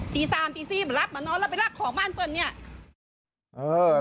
ตีสามตีสี่บ่รับบ่นอนแล้วไปรักของบ้านเปิ้ลเนี้ย